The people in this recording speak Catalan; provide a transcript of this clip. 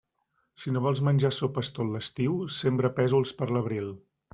Si no vols menjar sopes tot l'estiu, sembra pèsols per l'abril.